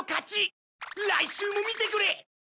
来週も見てくれ！